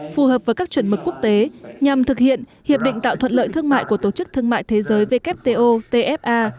phù hợp với các chuẩn mực quốc tế nhằm thực hiện hiệp định tạo thuận lợi thương mại của tổ chức thương mại thế giới wto tfa